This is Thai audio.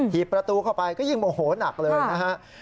ประตูเข้าไปก็ยิ่งโมโหนักเลยนะฮะ